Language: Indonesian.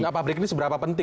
pabrik ini seberapa penting